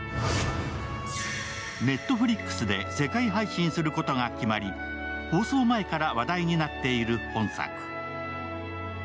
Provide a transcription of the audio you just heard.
Ｎｅｔｆｌｉｘで世界配信することが決まり、放送前から話題になっている今作。